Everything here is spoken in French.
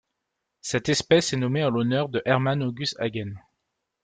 Cette espèce est nommée en l'honneur de Hermann August Hagen.